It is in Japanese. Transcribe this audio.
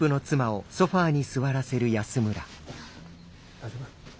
大丈夫？